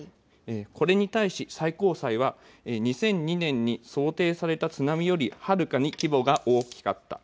これに対し最高裁は２００２年に想定された津波よりはるかに規模が大きかった。